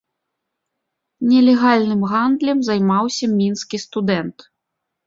Нелегальным гандлем займаўся мінскі студэнт.